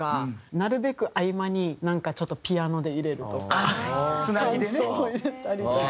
なるべく合間になんかちょっとピアノで入れるとか間奏を入れたりとか。